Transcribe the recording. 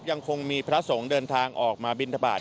ยังคงมีพระสงฆ์เดินทางออกมาบินทบาท